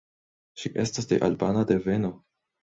Ŝi estas de albana deveno.